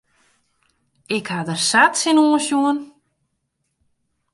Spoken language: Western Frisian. Ik ha der sa tsjinoan sjoen.